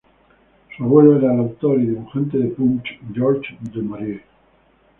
Su abuelo era el autor y dibujante de "Punch," George du Maurier.